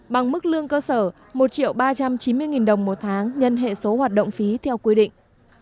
bằng mức lương cơ sở một ba trăm chín mươi đồng một tháng nhân hệ số hoạt động phí theo quy định